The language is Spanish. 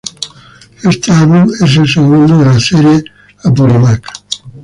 Este álbum es el segundo de la serie Apurímac.